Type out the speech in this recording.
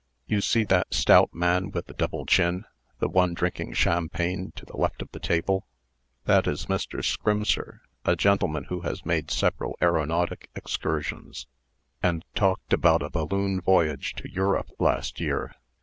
"You see that stout man with the double chin the one drinking champagne, to the left of the table? That is Mr. Scrymser, a gentleman who has made several aeronautic excursions, and talked about a balloon voyage to Europe last year.